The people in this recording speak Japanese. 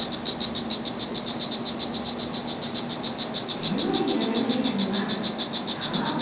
目の前に現れたのは沢。